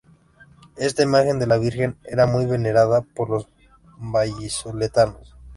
Esta imagen de la Virgen era muy venerada por los vallisoletanos.